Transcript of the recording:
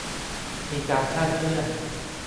มีการคลาดเคลื่อน